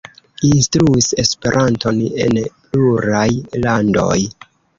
Instruis Esperanton en pluraj landoj.